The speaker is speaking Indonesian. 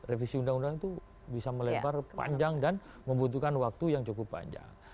revisi ru itu bisa melempar panjang dan membutuhkan waktu yang cukup panjang